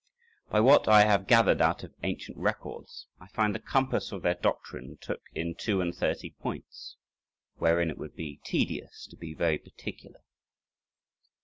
By what I have gathered out of ancient records, I find the compass of their doctrine took in two and thirty points, wherein it would be tedious to be very particular.